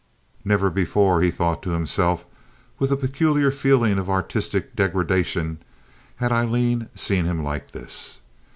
Never before, he thought to himself, with a peculiar feeling of artistic degradation, had Aileen seen him like this.